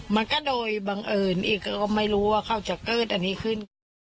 มันก็โดยบังเอิญอีกก็ไม่รู้ว่าเขาจะเกิดอันนี้ขึ้น